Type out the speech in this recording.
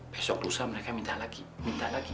besok lusa mereka minta lagi